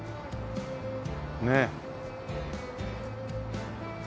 ねえ。